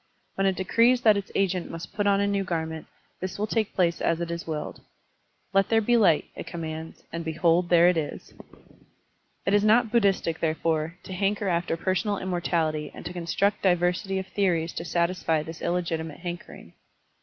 When it decrees that its agent must put on a new garment, this will take place as it is willed. "Let there be light," it commands, and behold there it is! It is not Buddhistic, therefore, to hanker after personal immortality and to construct diversity of theories to satisfy this illegitimate hankering.